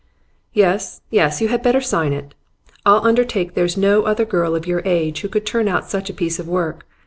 'Yes, yes; you had better sign it. I'll undertake there's no other girl of your age who could turn out such a piece of work.